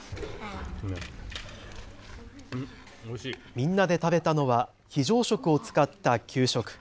みんなで食べたのは非常食を使った給食。